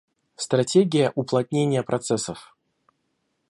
Стратегия уплотнения процессов